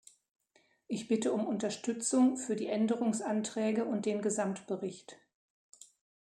Ich bitte um Unterstützung für die Änderungsanträge und den Gesamtbericht.